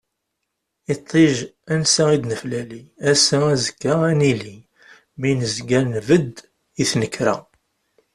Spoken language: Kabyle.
Iṭij ansa i d-neflali, ass-a azekka ad nili, mi nezga nbedd i tnekra.